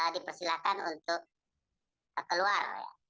dipersilahkan untuk keluar